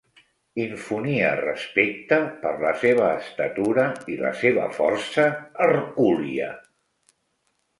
Infonia respecte per la seva estatura i la seva força hercúlia.